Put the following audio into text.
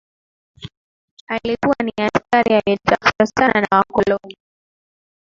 alikua ni askari aliyetafutwa sana na wakoloni